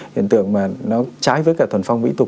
hiện tượng mà nó trái với cả tuần phong mỹ tục